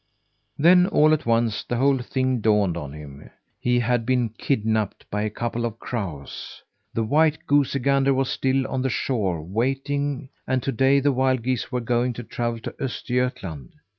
Then, all at once, the whole thing dawned on him. He had been kidnapped by a couple of crows. The white goosey gander was still on the shore, waiting, and to day the wild geese were going to travel to Östergötland.